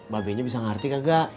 babenya bisa ngerti kagak